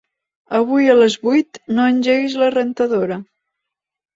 Avui a les vuit no engeguis la rentadora.